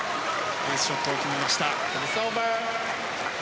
ナイスショットを決めました。